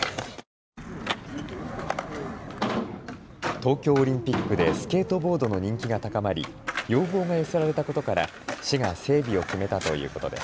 東京オリンピックでスケートボードの人気が高まり要望が寄せられたことから市が整備を決めたということです。